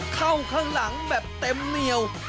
เข้าข้างหลังแบบเต็มเหนียว